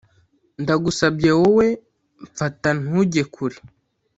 Ndagusabye wowe mpfata ntunge kure